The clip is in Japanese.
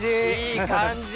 いい感じ。